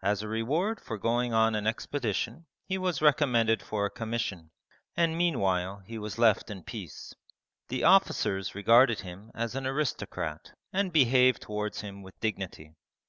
As a reward for going on an expedition he was recommended for a commission, and meanwhile he was left in peace. The officers regarded him as an aristocrat and behaved towards him with dignity.